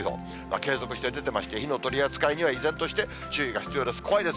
継続して出てまして、火の取り扱いには依然として注意が必要です。